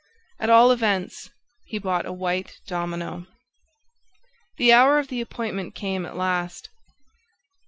At all events, he bought a white domino. The hour of the appointment came at last.